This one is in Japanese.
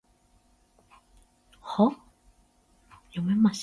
その、と君が言うと、これでいいんだよ、と男は何かを納得させるように言った